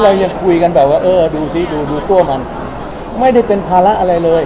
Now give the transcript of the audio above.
เรายังคุยกันแบบว่าเออดูซิดูดูตัวมันไม่ได้เป็นภาระอะไรเลย